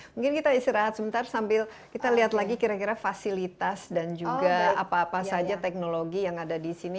mungkin kita istirahat sebentar sambil kita lihat lagi kira kira fasilitas dan juga apa apa saja teknologi yang ada di sini